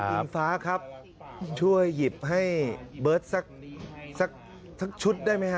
อิงฟ้าครับช่วยหยิบให้เบิร์ตสักชุดได้ไหมฮะ